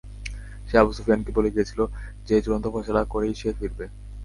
সে Abu সুফিয়ানকে বলে গিয়েছিল যে, চুড়ান্ত ফায়সালা করেই সে ফিরবে।